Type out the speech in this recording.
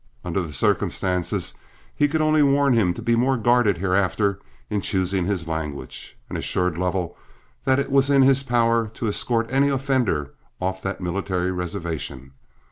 Under the circumstances he could only warn him to be more guarded hereafter in choosing his language, and assured Lovell that it was in his power to escort any offender off that military reservation.